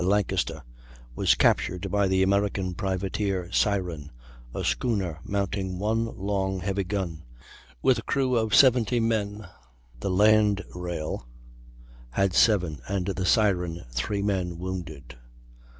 Lancaster, was captured by the American privateer Syren, a schooner mounting 1 long heavy gun, with a crew of 70 men; the Landrail had 7, and the Syren 3 men wounded.